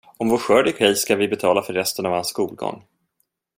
Om vår skörd är okej ska vi betala för resten av hans skolgång.